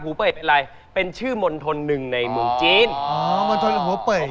ผู้เปิดเป็นไรเป็นชื่อมณฑนหนึ่งในมุงจีนอ๋อมณฑนหัวเป่ย